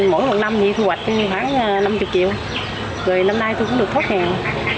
mỗi một năm thì thu hoạch khoảng năm mươi triệu rồi năm nay tôi cũng được thoát nghèo